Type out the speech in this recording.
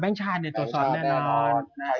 แบงค์ชาติเนี่ยตรวจสอบแน่นอน